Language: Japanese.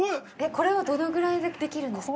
◆これはどのぐらいでできるんですか？